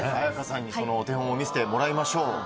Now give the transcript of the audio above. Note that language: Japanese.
彩花さんにそのお手本を見せてもらいましょう。